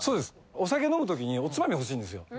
お酒飲む時におつまみ欲しいんですよ。